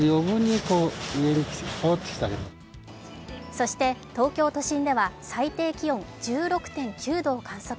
そして東京都心では最低気温１６．９度を観測。